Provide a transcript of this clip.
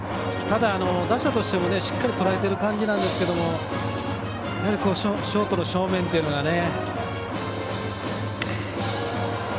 ただ、打者としてもしっかりとらえている感じなんですけどやはりショートの正面というのが。